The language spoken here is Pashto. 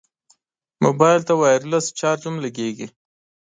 موبایل ته وایرلس چارج هم لګېږي.